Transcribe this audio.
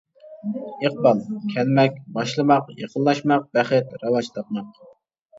ئىقبال : كەلمەك، باشلىماق، يېقىنلاشماق، بەخت، راۋاج تاپماق.